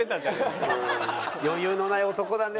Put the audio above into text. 余裕のない男だね。